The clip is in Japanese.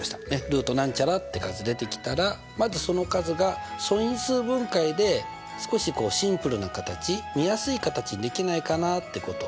ルートなんちゃらって数出てきたらまずその数が素因数分解で少しシンプルな形見やすい形にできないかなってこと。